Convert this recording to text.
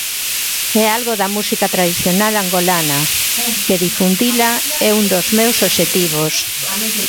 E algo da música tradicional angolana, que difundila é un dos meus obxectivos.